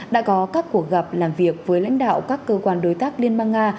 đã có các cuộc gặp làm việc với lãnh đạo các cơ quan đối tác liên bang nga